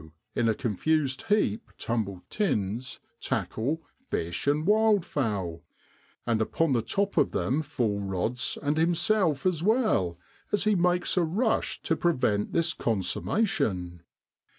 in a confused heap tumble tins, tackle, fish, and wildfowl, and upon the top of them fall rods and himself as well, as he makes a rush to prevent this consummation.